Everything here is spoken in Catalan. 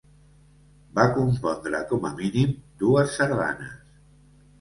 Va compondre com a mínim dues sardanes.